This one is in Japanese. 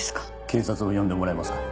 警察を呼んでもらえますか？